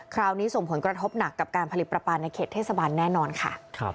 คราวนี้ส่งผลกระทบหนักกับการผลิตปลาปลาในเขตเทศบาลแน่นอนค่ะ